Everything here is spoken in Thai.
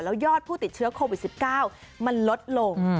ยอดผู้ติดเชื้อโควิด๑๙มันลดลง